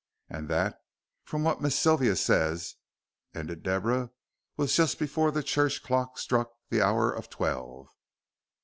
"And that, from what Miss Sylvia says," ended Deborah, "was just before the church clock struck the hour of twelve."